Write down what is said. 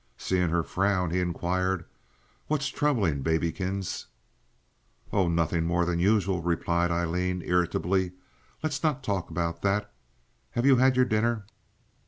Seeing her frown, he inquired, "What's troubling Babykins?" "Oh, nothing more than usual," replied Aileen, irritably. "Let's not talk about that. Have you had your dinner?"